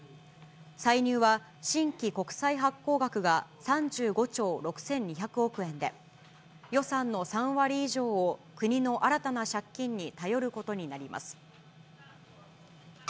歳入は新規国債発行額が３５兆６２００億円で、予算の３割以上を国の新たな借金に頼ることになります。